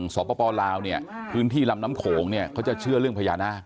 สวปปลาวพื้นที่ลำน้ำโขงเขาจะเชื่อเรื่องพญานาค